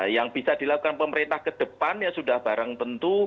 yang bisa dilakukan pemerintah kedepan ya sudah barang tentu